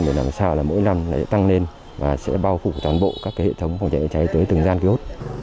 để làm sao là mỗi năm nó sẽ tăng lên và sẽ bao phủ toàn bộ các cái hệ thống phòng cháy cháy cháy tới từng gian ký ốt